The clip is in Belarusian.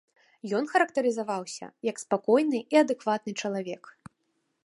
Ён характарызаваўся як спакойны і адэкватны чалавек.